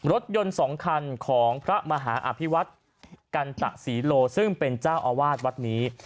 รถยนต์๒คันของพระมหาอภิวัฒน์กันตะศรีโลซึ่งเป็นเจ้าอาวาสวัดนี้